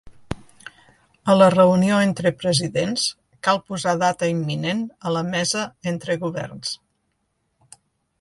A la reunió entre presidents cal posar data imminent a la mesa entre governs.